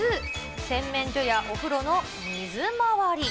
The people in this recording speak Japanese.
洗面所やお風呂の水回り。